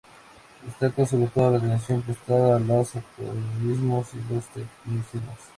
Destaca sobre todo la atención prestada a los arcaísmos y los tecnicismos.